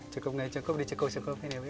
cukup gak cukup di cukup cukupin ya bu ya